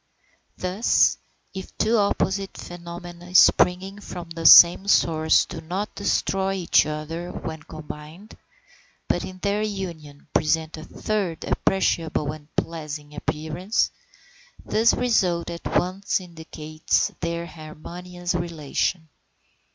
Thus, if two opposite phenomena springing from the same source do not destroy each other when combined, but in their union present a third appreciable and pleasing appearance, this result at once indicates their harmonious relation.